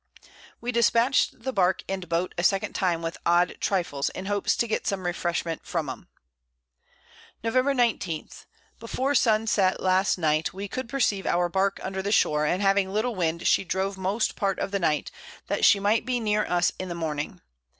We dispatch'd the Bark and Boat a second Time with odd Trifles, in hopes to get some Refreshment from 'em. Nov. 19. Before Sun set last Night we could perceive our Bark under the Shore, and having little Wind she drove most part of the Night, that she might be near us in the Morning.